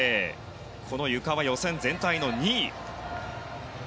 ゆかは予選全体の２位。